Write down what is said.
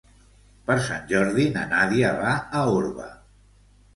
Per Sant Jordi na Nàdia va a Orba.